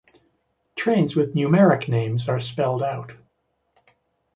Trains with numeric names are spelled out.